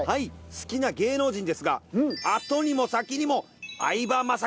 好きな芸能人ですが後にも先にも相葉雅紀一択！